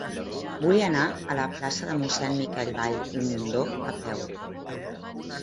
Vull anar a la plaça de Mossèn Miquel Vall i Mundó a peu.